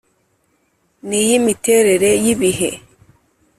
N’iy’imiterere y‘ibihe